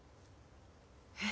えっ？